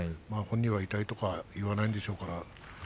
本人は痛いとは言わないでしょうが。